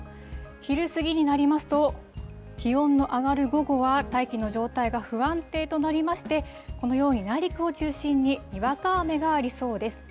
昼過ぎになりますと、気温の上がる午後は大気の状態が不安定となりまして、このように、内陸を中心ににわか雨がありそうです。